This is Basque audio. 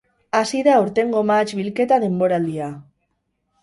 Hasi da aurtengo mahats bilketa denboraldia.